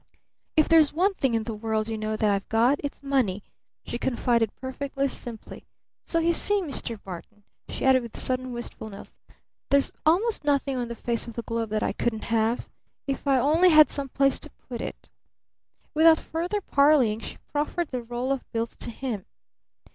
"If there's one thing in the world, you know, that I've got, it's money," she confided perfectly simply. "So you see, Mr. Barton," she added with sudden wistfulness, "there's almost nothing on the face of the globe that I couldn't have if I only had some place to put it." Without further parleying she proffered the roll of bills to him.